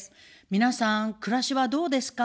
皆さん、暮らしはどうですか。